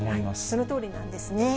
そのとおりなんですね。